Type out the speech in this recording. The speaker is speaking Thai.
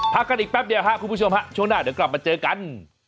พักกันอีกแป๊บเดียวครับคุณผู้ชมฮะช่วงหน้าเดี๋ยวกลับมาเจอกัน